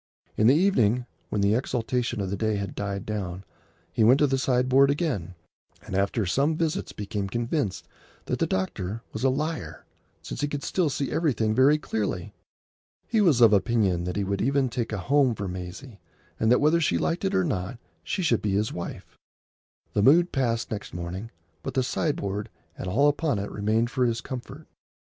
In the evening, when the exaltation of the day had died down, he went to the sideboard again, and after some visits became convinced that the eye doctor was a liar, since he could still see everything very clearly. He was of opinion that he would even make a home for Maisie, and that whether she liked it or not she should be his wife. The mood passed next morning, but the sideboard and all upon it remained for his comfort.